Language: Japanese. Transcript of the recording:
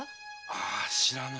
ああ知らぬ。